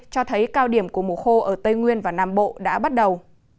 cho thấy cao điểm của mùa khô ở tây nguyên và nam bộ đã bắt đầu